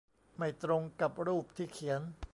ไม่ตรงกับรูปที่เขียน